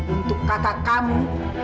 untuk kata kamu